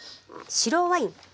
白ワイン。